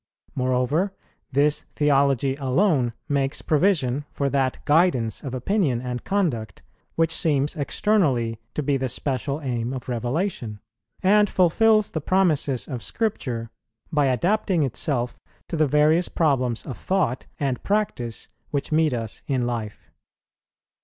Moreover, this theology alone makes provision for that guidance of opinion and conduct, which seems externally to be the special aim of Revelation; and fulfils the promises of Scripture, by adapting itself to the various problems of thought and practice which meet us in life.